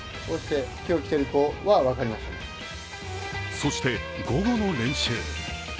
そして、午後の練習。